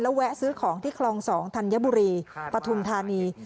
แวะซื้อของที่คลอง๒ธัญบุรีปฐุมธานี